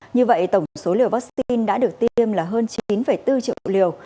như vậy tổng số liều vaccine đã được tiêm là hơn chín bốn triệu liều